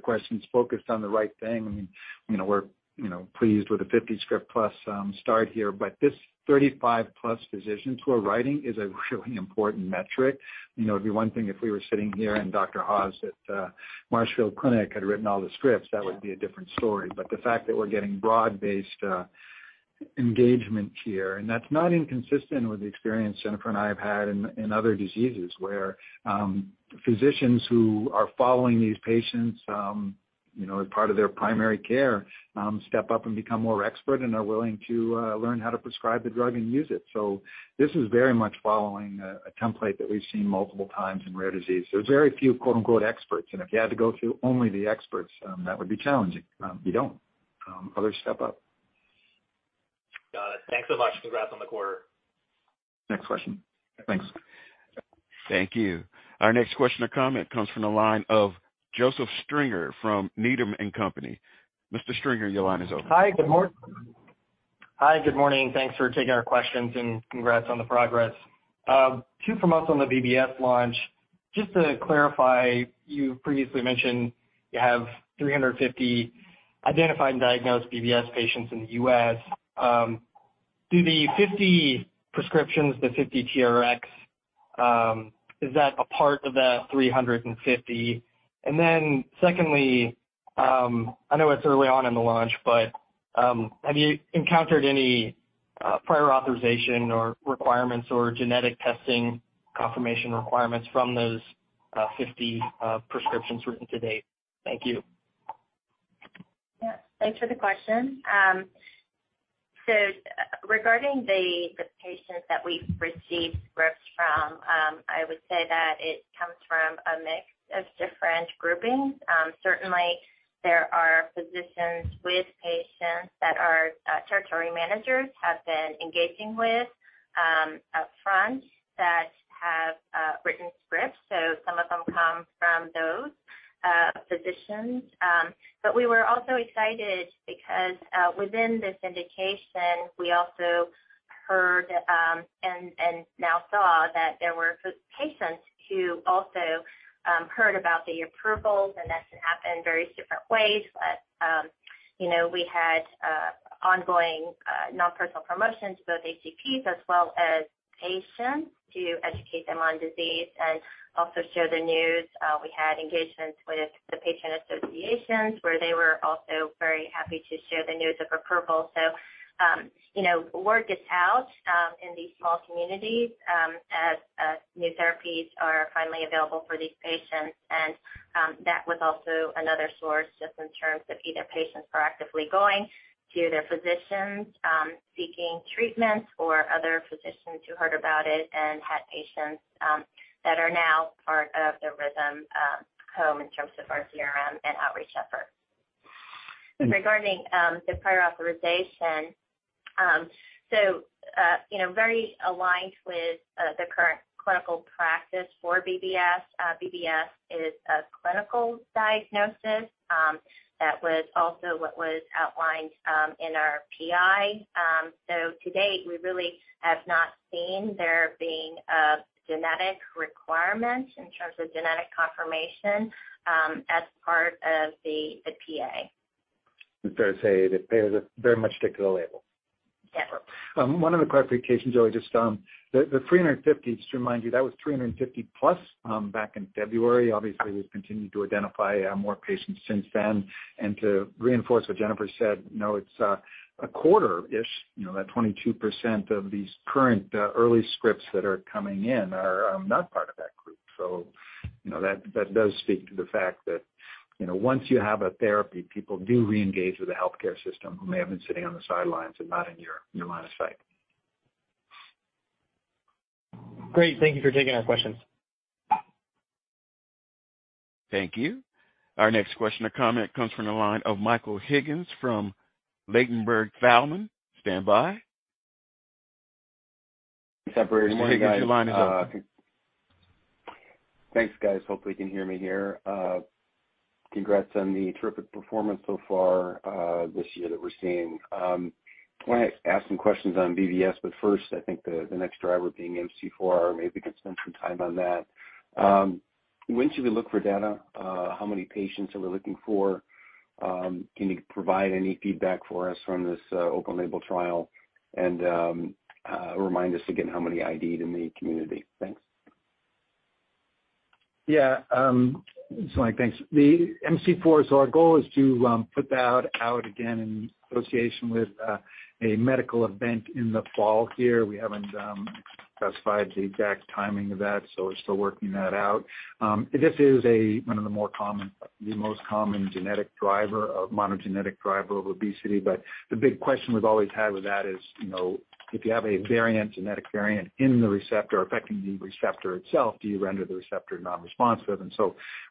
focused on the right thing. I mean, you know, we're you know, pleased with the 50 scripts plus starters. But this +35 physicians who are writing is a really important metric. You know, it'd be one thing if we were sitting here and Dr. Haws at Marshfield Clinic had written all the scripts, that would be a different story. But the fact that we're getting broad-based engagement here, and that's not inconsistent with the experience Jennifer and I have had in other diseases where physicians who are following these patients, you know, as part of their primary care, step up and become more expert and are willing to learn how to prescribe the drug and use it. This is very much following a template that we've seen multiple times in rare disease. There's very few quote-unquote experts, and if you had to go through only the experts, that would be challenging. You don't. Others step up. Got it. Thanks so much. Congrats on the quarter. Next question. Thanks. Thank you. Our next question or comment comes from the line of Joseph Stringer from Needham & Company. Mr. Stringer, your line is open. Hi. Hi. Good morning. Thanks for taking our questions and congrats on the progress. Two from us on the BBS launch. Just to clarify, you previously mentioned you have 350 identified and diagnosed BBS patients in the U.S. Do the 50 prescriptions, the 50 Rx's, is that a part of that 350? And then secondly, I know it's early on in the launch, but have you encountered any prior authorization or requirements or genetic testing confirmation requirements from those 50 prescriptions written to date? Thank you. Yeah. Thanks for the question. So regarding the patients that we've received scripts from, I would say that it comes from a mix of different groupings. Certainly there are physicians with patients that our territory managers have been engaging with upfront. So some of them come from those physicians. We were also excited because within this indication, we also heard and now saw that there were patients who also heard about the approvals, and that can happen various different ways. You know, we had ongoing non-personal promotions to both HCPs as well as patients to educate them on disease and also share the news. We had engagements with the patient associations, where they were also very happy to share the news of approval. You know, word gets out in these small communities as new therapies are finally available for these patients. That was also another source just in terms of either patients proactively going to their physicians seeking treatments or other physicians who heard about it and had patients that are now part of the Rhythm home in terms of our CRM and outreach effort. Regarding the prior authorization. You know, very aligned with the current clinical practice for BBS. BBS is a clinical diagnosis that was also what was outlined in our PI. To date, we really have not seen there being a genetic requirement in terms of genetic confirmation as part of the PA. It's fair to say that they very much stick to the label. Yeah. One of the clarifications I would just. The 350, just to remind you, that was +350 back in February. Obviously, we've continued to identify more patients since then. To reinforce what Jennifer said, you know, it's a quarter-ish, you know, that 22% of these current early scripts that are coming in are not part of that group. You know, that does speak to the fact that, you know, once you have a therapy, people do reengage with the healthcare system who may have been sitting on the sidelines and not in your line of sight. Great. Thank you for taking our questions. Thank you. Our next question or comment comes from the line of Michael Higgins from Ladenburg Thalmann. Stand by. Mr. Higgins, your line is open. Thanks, guys. Hopefully, you can hear me here. Congrats on the terrific performance so far, this year that we're seeing. Wanna ask some questions on BBS, but first, I think the next driver being MC4R, maybe we could spend some time on that. When should we look for data? How many patients are we looking for? Can you provide any feedback for us from this open label trial? Remind us again how many ID'd in the community. Thanks. Mike, thanks. The MC4R, our goal is to put that out again in association with a medical event in the fall here. We haven't specified the exact timing of that, so we're still working that out. This is one of the more common, the most common monogenic driver of obesity. The big question we've always had with that is, you know, if you have a genetic variant in the receptor affecting the receptor itself, do you render the receptor non-responsive?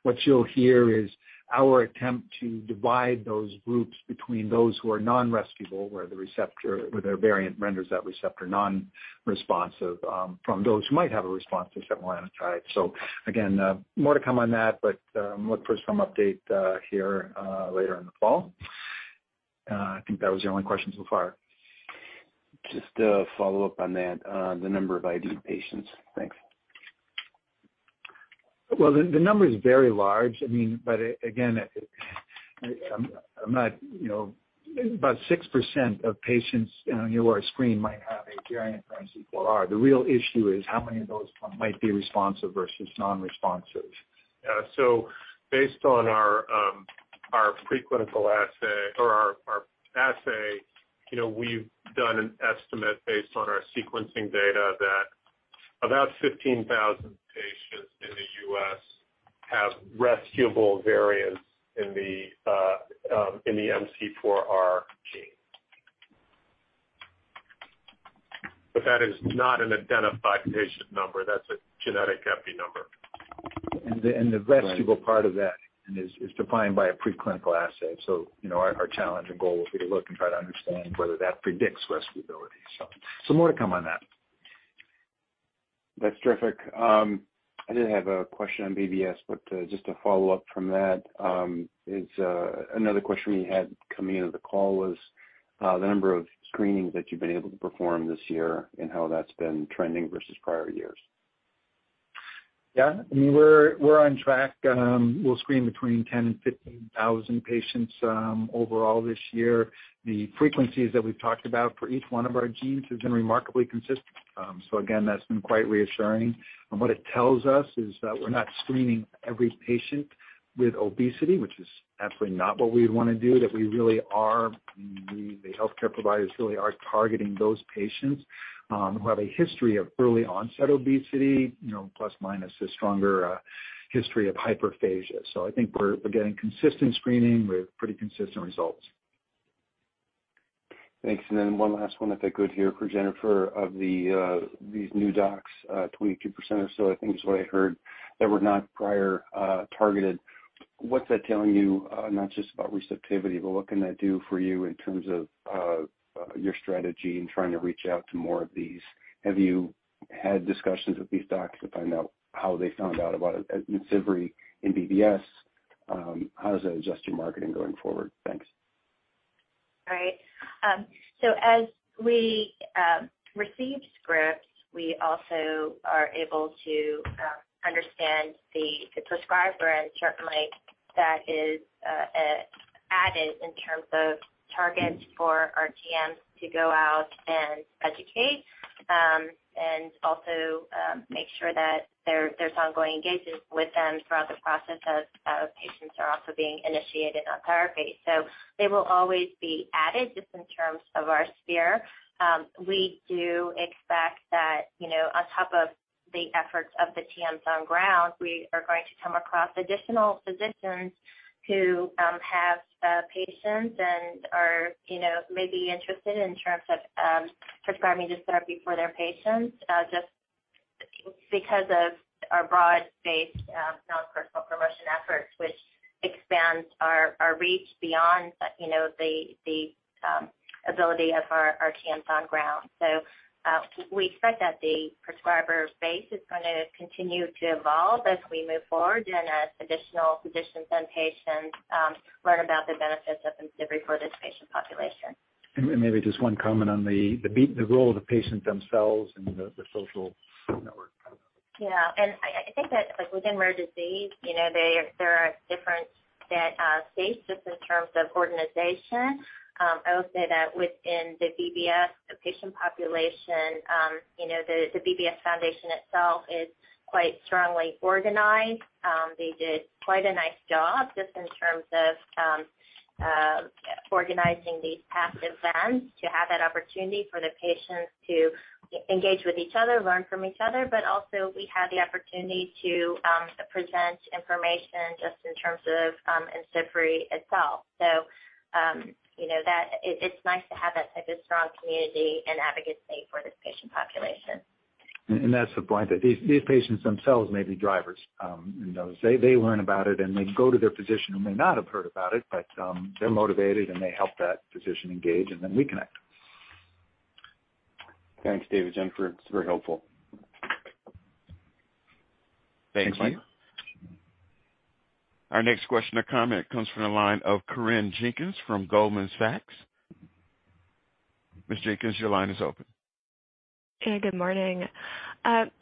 What you'll hear is our attempt to divide those groups between those who are non-rescuable, where the receptor or their variant renders that receptor non-responsive, from those who might have a response to setmelanotide. Again, more to come on that, but look for some update here later in the fall. I think that was your only question so far. Just to follow up on that, the number of ID patients? Thanks. Well, the number is very large. I mean, but again, I'm not, you know. About 6% of patients, you know, who are screened might have a variant for MC4R. The real issue is how many of those might be responsive versus non-responsive. Yeah. Based on our preclinical assay or our assay, you know, we've done an estimate based on our sequencing data that about 15,000 patients in the U.S. have rescuable variants in the MC4R gene. That is not an identified patient number. That's a genetic epi number. The rescuable part of that is defined by a preclinical assay. You know, our challenge and goal will be to look and try to understand whether that predicts rescuability. More to come on that. That's terrific. I did have a question on BBS, but just to follow up from that, it's another question we had coming into the call was the number of screenings that you've been able to perform this year and how that's been trending versus prior years. Yeah. I mean, we're on track. We'll screen between 10,000 and 15,000 patients overall this year. The frequencies that we've talked about for each one of our genes has been remarkably consistent. So again, that's been quite reassuring. What it tells us is that we're not screening every patient with obesity, which is absolutely not what we'd wanna do, that we really are, the healthcare providers really are targeting those patients who have a history of early onset obesity, you know, plus minus a stronger history of hyperphagia. I think we're getting consistent screening with pretty consistent results. Thanks. One last one, if I could here for Jennifer. Of these new docs, 22% or so I think is what I heard, that were not prior targeted. What's that telling you, not just about receptivity, but what can that do for you in terms of your strategy in trying to reach out to more of these? Have you had discussions with these docs to find out how they found out about IMCIVREE in BBS? How does that adjust your marketing going forward? Thanks. All right. As we receive scripts, we also are able to understand the prescriber, and certainly that is added in terms of targets for our TMs to go out and educate and also make sure that there's ongoing engagement with them throughout the process as patients are also being initiated on therapy. They will always be added just in terms of our sphere. We do expect that, you know, on top of the efforts of the TMs on the ground, we are going to come across additional physicians who have patients and, you know, may be interested in terms of prescribing this therapy for their patients just because of our broad-based non-critical promotion efforts, which expands our reach beyond, you know, the ability of our TMs on the ground. We expect that the prescriber base is gonna continue to evolve as we move forward and as additional physicians and patients learn about the benefits of IMCIVREE for this patient population. Maybe just one comment on the role of the patient themselves and the social network. Yeah. I think that, like within rare disease, you know, there are different states just in terms of organization. I would say that within the BBS patient population, you know, the BBS Foundation itself is quite strongly organized. They did quite a nice job just in terms of organizing these past events to have that opportunity for the patients to engage with each other, learn from each other, but also we had the opportunity to present information just in terms of IMCIVREE itself. You know, that it's nice to have that type of strong community and advocacy for this patient population. that's the point, that these patients themselves may be drivers in those. They learn about it, and they go to their physician who may not have heard about it, but they're motivated, and they help that physician engage, and then we connect. Thanks, David, Jennifer. It's very helpful. Thanks, Michael. Thank you. Our next question or comment comes from the line of Corinne Jenkins from Goldman Sachs. Ms. Jenkins, your line is open. Hey, good morning.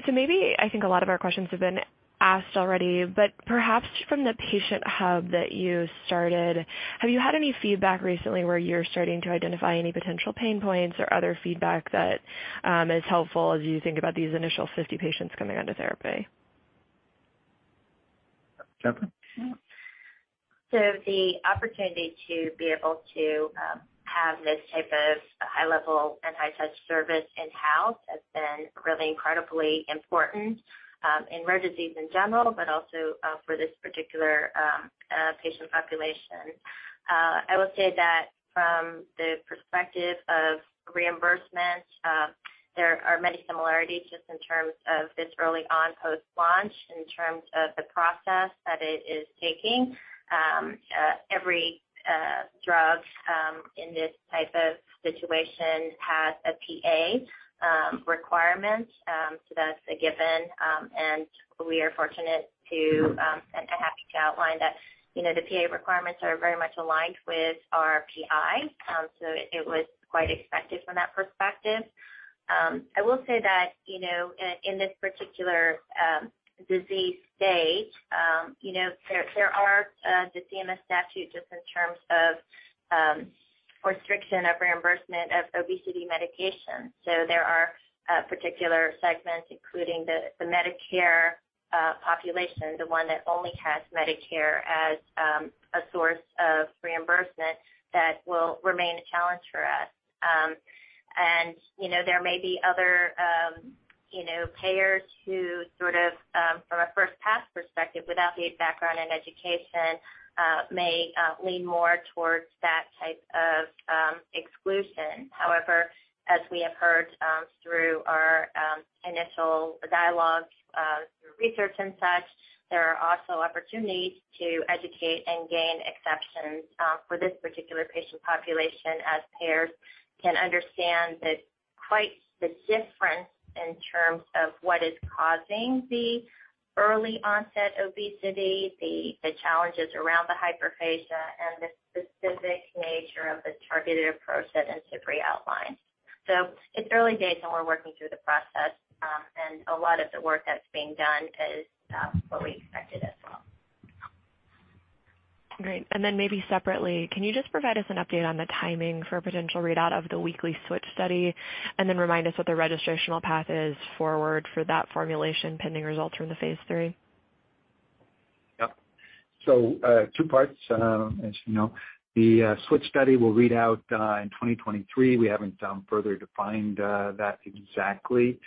Maybe I think a lot of our questions have been asked already, but perhaps from the patient hub that you started, have you had any feedback recently where you're starting to identify any potential pain points or other feedback that is helpful as you think about these initial 50 patients coming onto therapy? Jennifer? The opportunity to be able to have this type of high-level and high-touch service in-house has been really incredibly important in rare disease in general, but also for this particular patient population. I will say that from the perspective of reimbursement there are many similarities just in terms of this early on post-launch in terms of the process that it is taking. Every drug in this type of situation has a PA requirement. That's a given. We are fortunate and happy to outline that, you know, the PA requirements are very much aligned with our PI. It was quite expected from that perspective. I will say that, you know, in this particular disease state, you know, there are the CMS statute just in terms of restriction of reimbursement of obesity medication. There are particular segments, including the Medicare population, the one that only has Medicare as a source of reimbursement that will remain a challenge for us. You know, there may be other payers who sort of from a first pass perspective, without the background and education may lean more towards that type of exclusion. However, as we have heard, through our initial dialogues, through research and such, there are also opportunities to educate and gain exceptions, for this particular patient population as payers can understand that quite the difference in terms of what is causing the early-onset obesity, the challenges around the hyperphagia and the specific nature of the targeted approach that Imcivree outlines. It's early days, and we're working through the process. A lot of the work that's being done is what we expected as well. Great. Maybe separately, can you just provide us an update on the timing for a potential readout of the weekly switch study? Remind us what the registrational path is forward for that formulation pending results from the phase III? Yep. Two parts. As you know, the switch study will read out in 2023. We haven't further defined that exactly.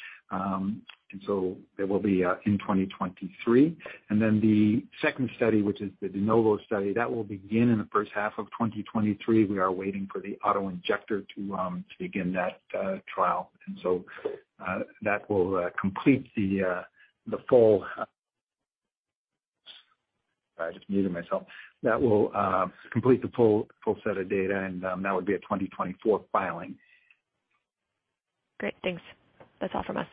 It will be in 2023. The second study, which is the de novo study, will begin in the first half of 2023. We are waiting for the auto-injector to begin that trial. That will complete the full set of data, and that would be a 2024 filing. Great, thanks. That's all from us.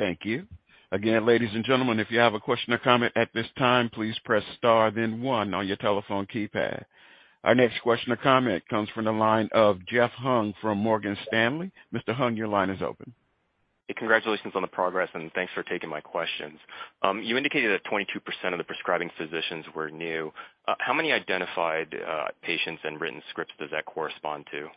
Thanks. Thank you. Again, ladies and gentlemen, if you have a question or comment at this time, please press star then one on your telephone keypad. Our next question or comment comes from the line of Jeff Hung from Morgan Stanley. Mr. Hung, your line is open. Hey, congratulations on the progress, and thanks for taking my questions. You indicated that 22% of the prescribing physicians were new. How many identified patients and written scripts does that correspond to?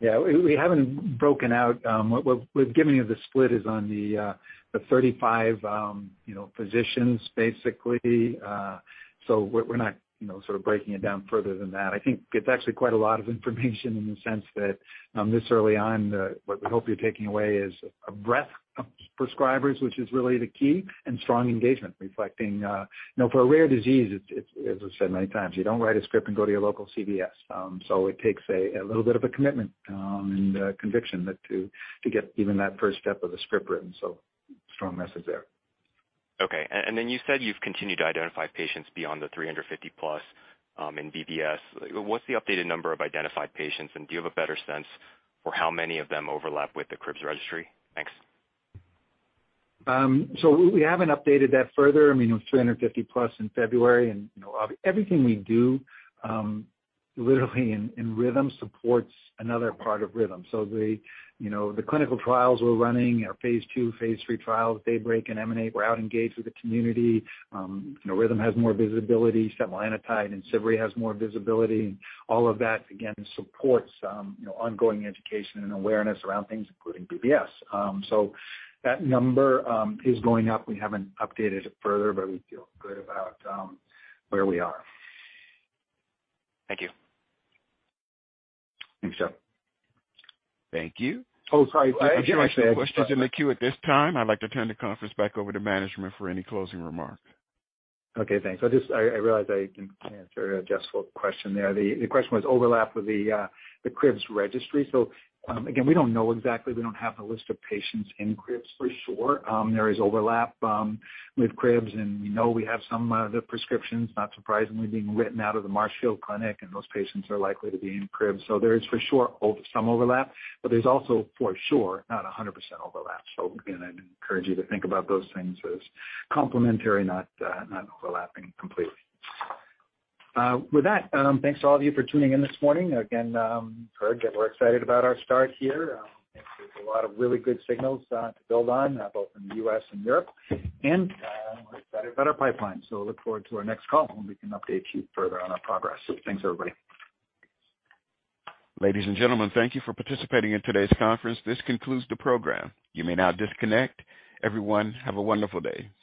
Yeah, we haven't broken out. What we've given you, the split is on the 35 physicians basically. We're not, you know, sort of breaking it down further than that. I think it's actually quite a lot of information in the sense that this early on, what we hope you're taking away is a breadth of prescribers, which is really the key, and strong engagement reflecting you know, for a rare disease, it's as I've said many times, you don't write a script and go to your local CVS. It takes a little bit of a commitment and conviction that to get even that first step of the script written, so strong message there. Okay. Then you said you've continued to identify patients beyond the +350 in BBS. What's the updated number of identified patients? Do you have a better sense for how many of them overlap with the CRIBBS registry? Thanks. We haven't updated that further. I mean, it was +350 in February. You know, everything we do literally in Rhythm supports another part of Rhythm. The clinical trials we're running, our phase II, phase III trials, DAYBREAK and EMANATE, we're now engaged with the community. You know, Rhythm has more visibility, setmelanotide and IMCIVREE has more visibility. All of that again supports you know, ongoing education and awareness around things including BBS. That number is going up. We haven't updated it further, but we feel good about where we are. Thank you. Thanks, Jeff. Thank you. Oh, sorry. There are no further questions in the queue at this time. I'd like to turn the conference back over to management for any closing remarks. Okay, thanks. I realized I didn't answer Jeff's full question there. The question was overlap with the CRIBBS registry. Again, we don't know exactly. We don't have the list of patients in CRIBBS for sure. There is overlap with CRIBBS, and we know we have some of the prescriptions, not surprisingly, being written out of the Marshfield Clinic, and those patients are likely to be in CRIBBS. There is for sure some overlap, but there's also for sure not 100% overlap. Again, I'd encourage you to think about those things as complementary, not overlapping completely. With that, thanks to all of you for tuning in this morning. Again, heard that we're excited about our start here. I think there's a lot of really good signals to build on both in the U.S. and Europe and better pipeline. Look forward to our next call when we can update you further on our progress. Thanks, everybody. Ladies and gentlemen, thank you for participating in today's conference. This concludes the program. You may now disconnect. Everyone, have a wonderful day.